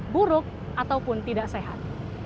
buruk ataupun tidak sehat